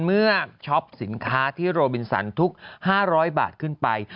ช็อปสินค้าที่โรบินสันทุก๕๐๐บาทขึ้นไป